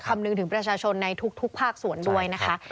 คำนึงถึงประชาชนในทุกภาคส่วนด้วยนะคะ